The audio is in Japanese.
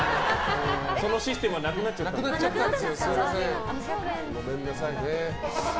そのシステムなくなっちゃったんです。